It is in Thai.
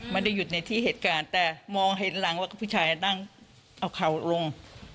ไม่ได้หยุดในที่เหตุการณ์แต่มองเห็นหลังแล้วก็ผู้ชายนั่งเอาเข่าลง